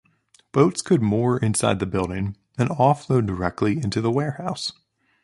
Boats could moor inside the building and off-load directly into the warehouse.